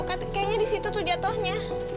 kayaknya di situ tuh jatuhnya